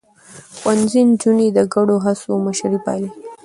ښوونځی نجونې د ګډو هڅو مشري پالي.